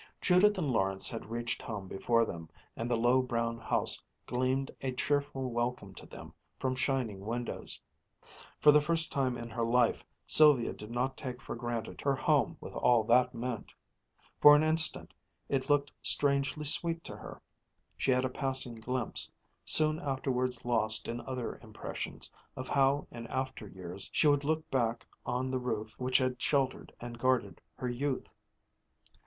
Judith and Lawrence had reached home before them, and the low brown house gleamed a cheerful welcome to them from shining windows. For the first time in her life, Sylvia did not take for granted her home, with all that it meant. For an instant it looked strangely sweet to her. She had a passing glimpse, soon afterwards lost in other impressions, of how in after years she would look back on the roof which had sheltered and guarded her youth.